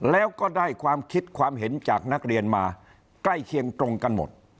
แล้วก็ได้ความคิดความเห็นจากนักเรียนมาใกล้เคียงตรงกันหมด